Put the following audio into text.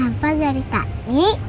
kenapa dari tadi